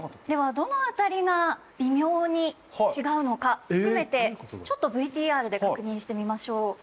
ではどの辺りが微妙に違うのか含めてちょっとＶＴＲで確認してみましょう。